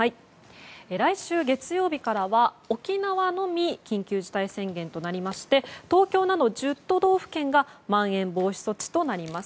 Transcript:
来週月曜日からは沖縄のみ緊急事態宣言となりまして東京など１０都道府県がまん延防止措置となります。